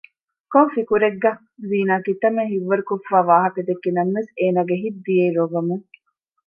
ކޮން ފިކުރެއްގަ؟ ; ޒީނާ ކިތައްމެ ހިތްވަރުކޮށްފައި ވާހަކަ ދެއްކި ނަމަވެސް އޭނަގެ ހިތް ދިޔައީ ރޮއްވަމުން